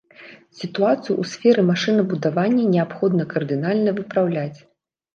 Сітуацыю ў сферы машынабудавання неабходна кардынальна выпраўляць.